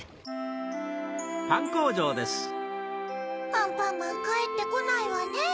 アンパンマンかえってこないわねぇ。